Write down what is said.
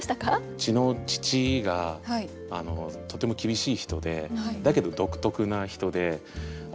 うちの父がとても厳しい人でだけど独特な人で。